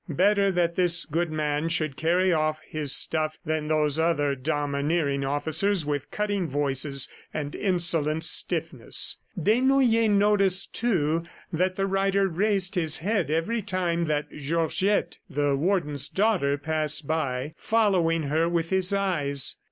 Better that this good man should carry off his stuff than those other domineering officers with cutting voices and insolent stiffness. Desnoyers noticed, too, that the writer raised his head every time that Georgette, the Warden's daughter, passed by, following her with his eyes.